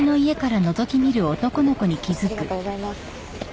ありがとうございます。